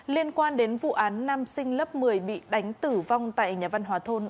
liên quan đến vụ án nam sinh lớp một mươi bị đánh tử vong tại nhà văn hóa thôn